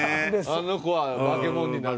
あの子は化け物になる。